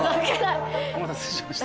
お待たせしました。